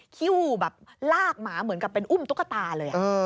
คิ้วแบบลากหมาเหมือนกับเป็นอุ้มตุ๊กตาเลย